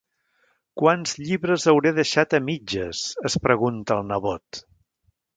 ¿Quants llibres hauré deixat a mitges?, es pregunta el nebot.